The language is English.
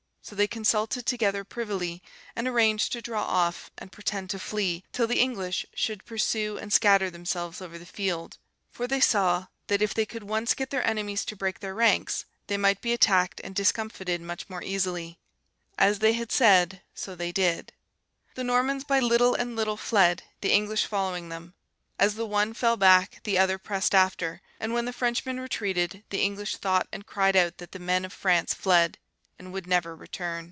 So they consulted together privily, and arranged to draw off, and pretend to flee, till the English should pursue and scatter themselves over the field; for they saw that if they could once get their enemies to break: their ranks, they might be attacked and discomfited much more easily. As they had said, so they did. The Normans by little and little fled, the English following them. As the one fell back, the other pressed after; and when the Frenchmen retreated, the English thought and cried out that the men of France fled, and would never return.